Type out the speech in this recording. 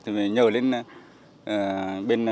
thì mình nhờ đến bên